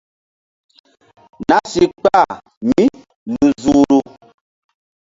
Nah si kpah mí lu zuhru.